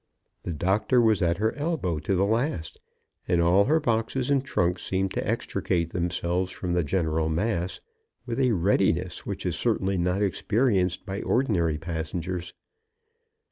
The doctor was at her elbow to the last; and all her boxes and trunks seemed to extricate themselves from the general mass with a readiness which is certainly not experienced by ordinary passengers.